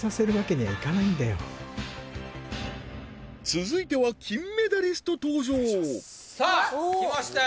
続いては金メダリスト登場さあ来ましたよ